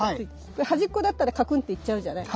これ端っこだったらカクンっていっちゃうじゃない。